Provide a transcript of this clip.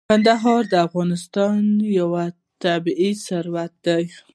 کندهار د افغانستان یو طبعي ثروت دی.